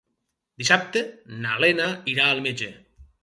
Dissabte na Lena irà al metge.